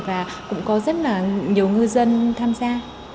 và cũng có rất là nhiều ngư dân tham gia